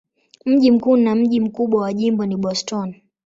Mji mkuu na mji mkubwa wa jimbo ni Boston.